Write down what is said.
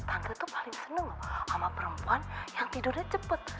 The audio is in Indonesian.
tante itu paling seneng sama perempuan yang tidurnya cepet